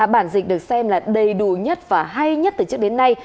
bản dịch được xem là đầy đủ nhất và hay nhất từ trước đến nay